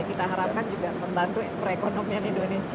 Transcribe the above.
kita harapkan juga membantu perekonomian indonesia